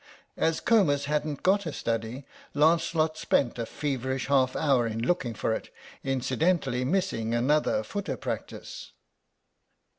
As Comus hadn't got a study Lancelot spent a feverish half hour in looking for it, incidentally missing another footer practice.